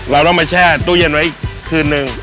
เราก็จะมาแช่ตู้เย็นไว้กลางคืนหนึ่ง